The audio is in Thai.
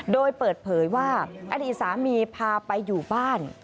โดยเปิดเผยว่าอดีตสามีพาไปอยู่บ้าน